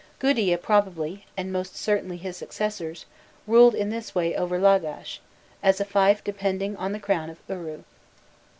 Gudea probably, and most certainly his successors, ruled in this way over Lagash, as a fief depending on the crown of Uru.